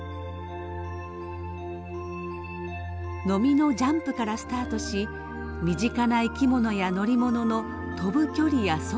ノミのジャンプからスタートし身近な生き物や乗り物の飛ぶ距離や速度へと展開。